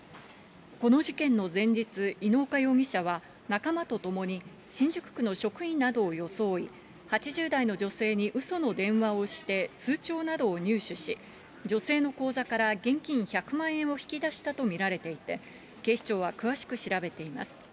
この事件の前日、猪岡容疑者は仲間とともに、新宿区の職員などを装い、８０代の女性にうその電話をして、通帳などを入手し、女性の口座から現金１００万円を引き出したと見られていて、警視庁は詳しく調べています。